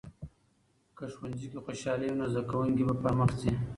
که ښوونځي کې خوشالي وي، نو زده کوونکي به پرمخ ځي.